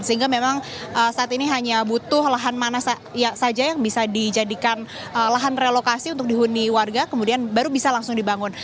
sehingga memang saat ini hanya butuh lahan mana saja yang bisa dijadikan lahan relokasi untuk dihuni warga kemudian baru bisa langsung dibangun